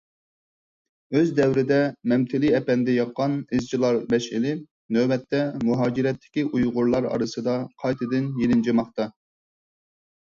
ئۆز دەۋرىدە مەمتىلى ئەپەندى ياققان «ئىزچىلار مەشئىلى» نۆۋەتتە مۇھاجىرەتتىكى ئۇيغۇرلار ئارىسىدا قايتىدىن يېلىنجىماقتا.